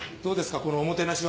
このおもてなしは。